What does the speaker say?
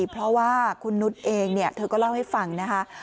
เพราะว่าคุณนุษย์เองเธอก็เล่าให้ฟังนะคะ